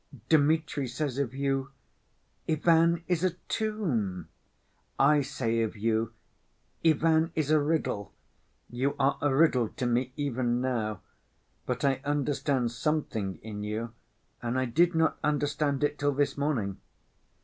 Dmitri says of you—Ivan is a tomb! I say of you, Ivan is a riddle. You are a riddle to me even now. But I understand something in you, and I did not understand it till this morning."